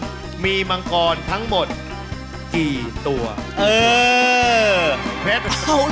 อุทยานสวรรค์มีมังกรทั้งหมดกี่ตัวการ